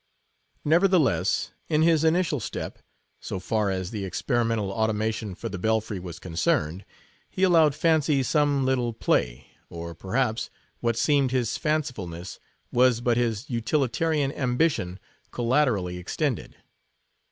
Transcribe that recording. Nevertheless, in his initial step, so far as the experimental automaton for the belfry was concerned, he allowed fancy some little play; or, perhaps, what seemed his fancifulness was but his utilitarian ambition collaterally extended.